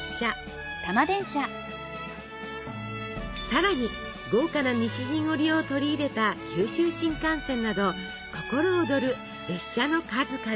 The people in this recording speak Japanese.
さらに豪華な西陣織を取り入れた九州新幹線など心躍る列車の数々。